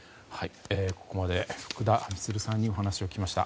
ここまで、福田充さんにお話を伺いました。